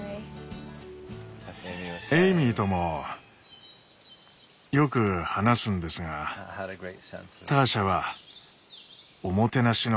エイミーともよく話すんですがターシャは「おもてなしの達人」でした。